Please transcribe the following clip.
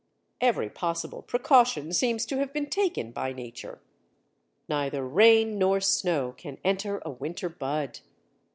Every possible precaution seems to have been taken by nature. Neither rain nor snow can enter a winter bud.